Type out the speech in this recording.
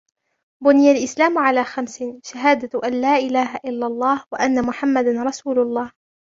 بُنِيَ الإِسْلاَمُ عَلَى خَمْسٍ: شَهَادَةِ أَنْ لاَ إِلَهَ إِلاَّ اللهُ وَأَنَّ مُحَمَّدًا رَسُولُ اللهِ،